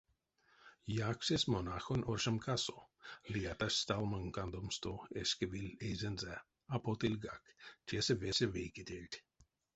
Яксесь монахонь оршамкасо, лиятась сталмонь кандомсто эшкевиль эйзэнзэ — а потыльгак: тесэ весе вейкетельть.